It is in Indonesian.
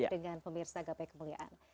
dengan pemirsa gapai kemuliaan